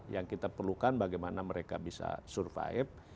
yang kita perlukan bagaimana mereka bisa survive